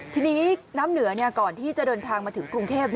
ทีนี้น้ำเหนือก่อนที่จะเดินทางมาถึงกรุงเทพ